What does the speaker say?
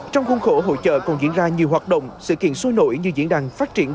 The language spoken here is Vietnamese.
trong khuôn khổ hội trợ còn diễn ra nhiều hoạt động sự kiện sôi nổi như diễn đàn phát triển